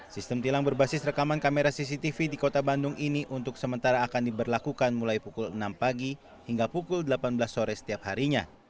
sistem tilang berbasis rekaman kamera cctv di kota bandung ini untuk sementara akan diberlakukan mulai pukul enam pagi hingga pukul delapan belas sore setiap harinya